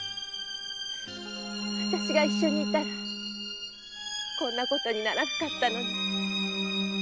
わたしが一緒にいたらこんなことにならなかったのに。